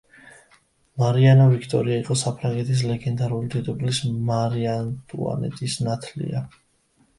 მარიანა ვიქტორია იყო საფრანგეთის ლეგენდარული დედოფლის, მარი ანტუანეტის ნათლია.